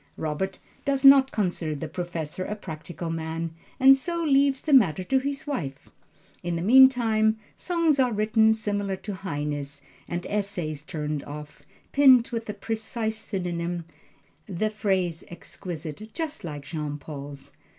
Robert does not consider the Professor a practical man, and so leaves the matter to his wife. In the meantime songs are written similar to Heine's, and essays turned off, pinned with the precise synonym, the phrase exquisite, just like Jean Paul's.